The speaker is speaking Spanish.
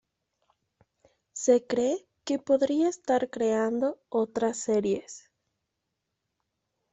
Se cree que podría estar creando otras series.